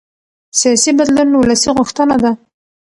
سیاسي بدلون ولسي غوښتنه ده